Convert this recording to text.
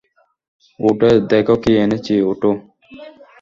উঠে দেখ কি এনেছি, উঠো।